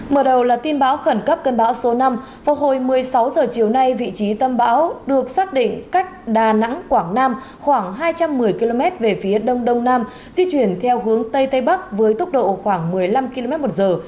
mở đầu là tin báo khẩn cấp cân bão số năm phục hồi một mươi sáu h chiều nay vị trí tâm bão được xác định cách đà nẵng quảng nam khoảng hai trăm một mươi km về phía đông đông nam di chuyển theo hướng tây tây bắc với tốc độ khoảng một mươi năm km một giờ